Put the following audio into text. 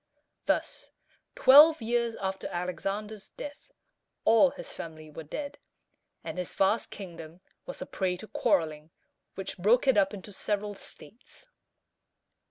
Thus, twelve years after Alexander's death, all his family were dead, and his vast kingdom was a prey to quarreling, which broke it up into several states.